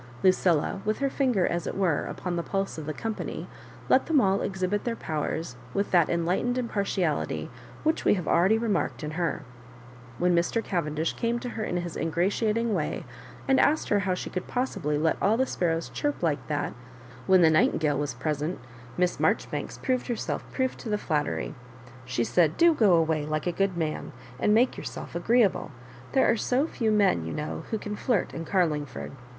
Lucilla, with her finger as it were upon the pulse of the company, let ihem all exhibit their powers with that enlightened im partiality which we have already remarked in her. When Mr. Cavendish came to her in his ingratiating way, and asked her how she could possibly let all the sparrows chirp like that when the nightingale was present. Miss Marjoribanks proved herself proof to the flattery. She said, *' Do go away, like a good man, and make your self agreeable. There are so few men, you know, who can flirt in Carlingford.